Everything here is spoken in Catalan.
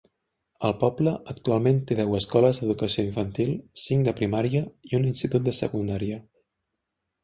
El poble actualment té deu escoles d'educació infantil, cinc de primària i un institut de secundària.